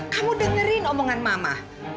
kamu dengerin omongan mama